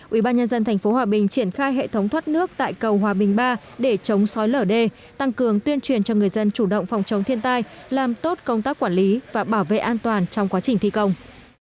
ubnd tp hòa bình triển khai hệ thống thoát nước tại cầu hòa bình ba để chống sói lở d tăng cường tuyên truyền cho người dân chủ động phòng chống thiên tai làm tốt công tác quản lý và bảo vệ an toàn trong quá trình thi công